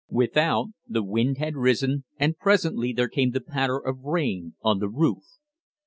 Without, the wind had risen and presently there came the patter of rain on the roof.